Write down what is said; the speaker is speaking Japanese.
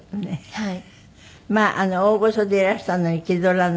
はい。